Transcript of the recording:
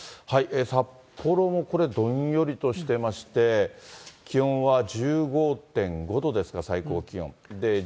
札幌もこれ、どんよりとしてまして、気温は１５．５度ですか、最高気温。